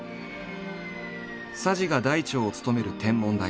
佐治が台長を務める天文台。